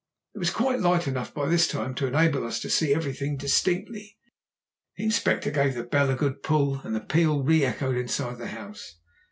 It was quite light enough by this time to enable us to see everything distinctly. The Inspector gave the bell a good pull and the peal re echoed inside the house.